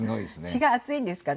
血が熱いんですかね。